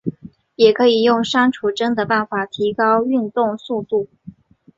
也可以用删除帧的办法提高运动速度。